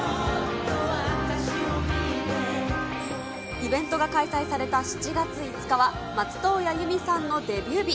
イベントが開催された７月５日は、松任谷由実さんのデビュー日。